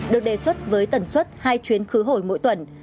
được đề xuất với tần suất hai chuyến khứ hồi mỗi tuần